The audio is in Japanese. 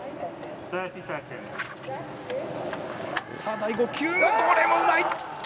第５球、これもうまい。